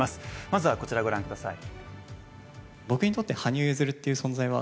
まずはこちら御覧ください。